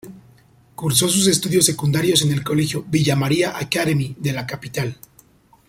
Cursó sus estudios secundarios en el colegio Villa María Academy de la capital.